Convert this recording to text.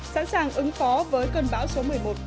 sẵn sàng ứng phó với cơn bão số một mươi một